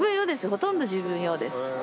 ほとんど自分用です。